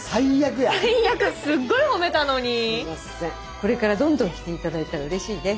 これからどんどん着て頂いたらうれしいです。